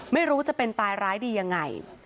ไม่รู้จะเป็นตายร้ายดียังไง